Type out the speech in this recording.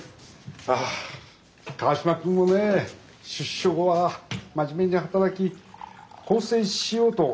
ああ川島君もね出所後は真面目に働き更生しようと頑張ってたんです。